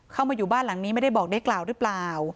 มาอยู่บ้านหลังนี้ไม่ได้บอกได้กล่าวหรือเปล่า